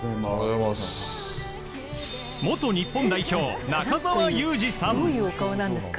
元日本代表、中澤佑二さん。